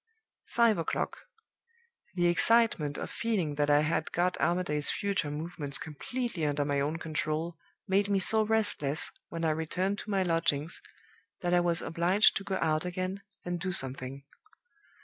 "Five o'clock. The excitement of feeling that I had got Armadale's future movements completely under my own control made me so restless, when I returned to my lodgings, that I was obliged to go out again, and do something.